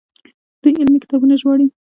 دوی علمي کتابونه ژباړي.